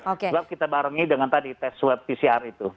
sebab kita barengi dengan tadi tes swab pcr itu